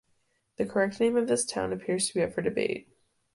The correct name of this town appears to be up for debate.